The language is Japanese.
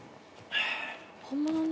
「本物の？」